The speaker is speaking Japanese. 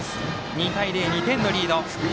２対０、２点リード。